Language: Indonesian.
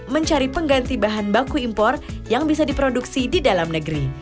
mencari pengganti bahan baku impor yang bisa diproduksi di dalam negeri